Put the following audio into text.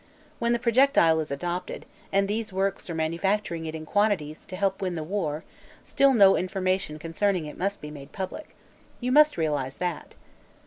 When the projectile is adopted, and these works are manufacturing it in quantities to help win the war, still no information concerning it must be made public. You must realize that."